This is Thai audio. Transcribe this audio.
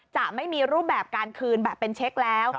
จะไม่มีรูปแบบการคืนแบบเป็นเช็คแล้ว